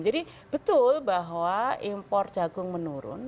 jadi betul bahwa impor jagung menurun